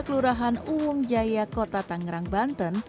kelurahan uung jaya kota tangerang banten